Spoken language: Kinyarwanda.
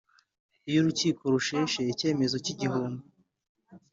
Iyo urukiko rusheshe icyemezo cy igihombo